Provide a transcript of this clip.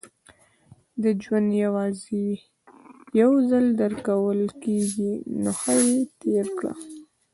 • ژوند یوازې یو ځل درکول کېږي، نو ښه یې تېر کړه.